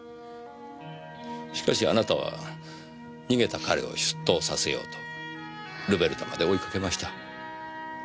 しかしあなたは逃げた彼を出頭させようとルベルタまで追いかけました。